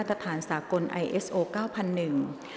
กรรมการท่านที่สามได้แก่กรรมการใหม่เลขหนึ่งค่ะ